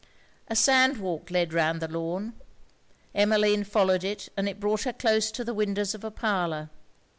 A sand walk lead round the lawn. Emmeline followed it, and it brought her close to the windows of a parlour.